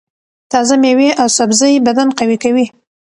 تازه مېوې او سبزۍ بدن قوي کوي.